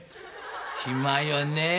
「暇よねえ